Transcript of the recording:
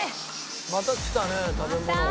またきたね食べ物が。